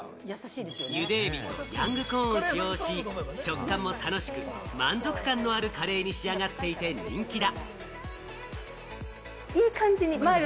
ゆでエビとヤングコーンを使用し、食感も楽しく、満足感のあるカレーに仕上がっていて人気だ。